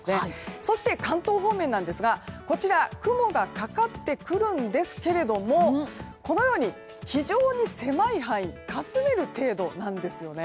そして関東方面ですが雲がかかってくるんですけれどもこのように非常に狭い範囲をかすめる程度なんですよね。